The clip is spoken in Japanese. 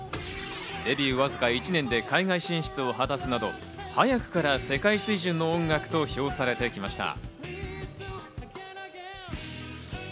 デビューわずか１年で海外進出を果たすなど、早くから世界水準の音楽と評されてきました。